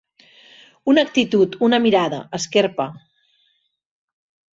Una actitud, una mirada, esquerpa.